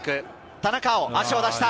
田中碧が足を出しました。